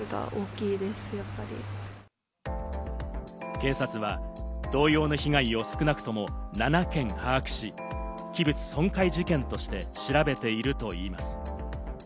警察は同様の被害を少なくとも７件把握し、器物損壊事件として調べているといいます。